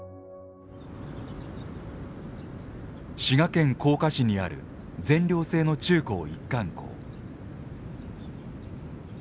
滋賀県甲賀市にある全寮制の中高一貫校。